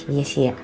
iya sih ya